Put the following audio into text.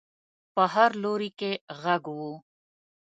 په هر لوري کې غږ و.